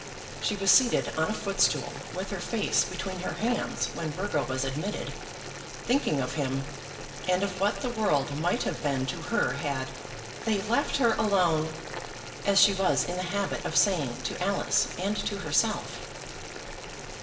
She was seated on a footstool with her face between her hands when Burgo was admitted, thinking of him, and of what the world might have been to her had "they left her alone," as she was in the habit of saying to Alice and to herself.